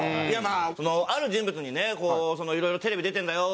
ある人物にね「いろいろテレビ出てるんだよ」